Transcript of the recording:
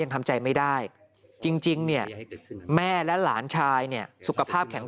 ทำใจไม่ได้จริงเนี่ยแม่และหลานชายเนี่ยสุขภาพแข็ง